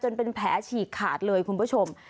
เป็นแผลฉีกขาดเลยคุณผู้ชม